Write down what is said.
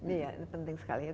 itu penting sekali